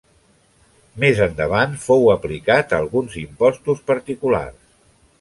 Més endavant fou aplicat a alguns impostos particulars.